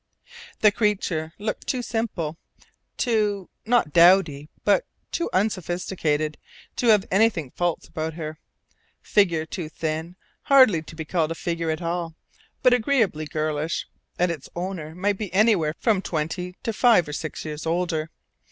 The creature looked too simple, too not dowdy, but too unsophisticated, to have anything false about her. Figure too thin, hardly to be called a "figure" at all, but agreeably girlish; and its owner might be anywhere from twenty to five or six years older.